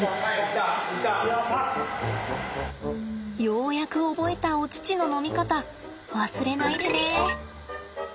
ようやく覚えたお乳の飲み方忘れないでね。